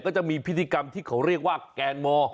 ก็จะมีพิธีกรรมที่เขาเรียกว่าแกนมอ